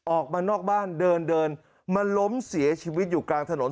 ออกมานอกบ้านเดินเดินมาล้มเสียชีวิตอยู่กลางถนน